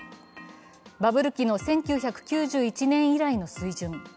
バブル期の１９９１年以来の水準。